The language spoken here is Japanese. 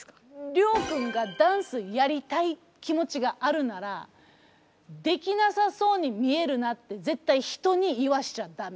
りょう君がダンスやりたい気持ちがあるならできなさそうに見えるなって絶対人に言わせちゃダメ。